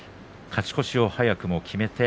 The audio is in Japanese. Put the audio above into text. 勝ち越しを早くも決めました。